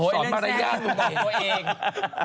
เดี๋ยวก็ระบวงแปลวเวลา